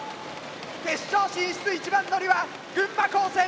決勝進出一番乗りは群馬高専Ａ！